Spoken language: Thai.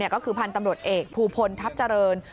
ก็คือพันธุ์ตำรวจเอกภูพลทัพเจริญ